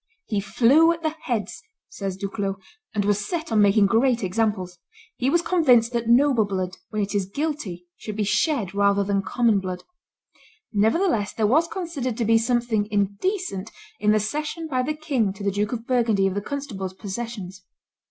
"He flew at the heads," says Duclos, "and was set on making great examples; he was convinced that noble blood, when it is guilty, should be shed rather than common blood. Nevertheless there was considered to be something indecent in the cession by the king to the Duke of Burgundy of the constable's possessions.